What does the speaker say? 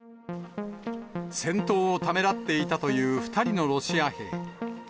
戦闘をためらっていたという２人のロシア兵。